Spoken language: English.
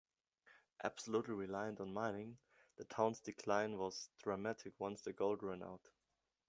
Absolutely reliant on mining, the towns decline was dramatic once the gold ran out.